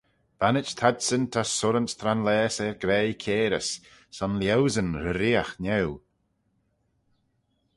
Bannit t'adsyn ta surranse tranlaase er graih cairys: son lhieusyn reeriaght niau.